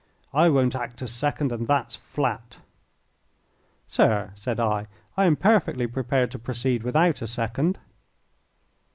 I won't act as second, and that's flat." "Sir," said I, "I am perfectly prepared to proceed without a second."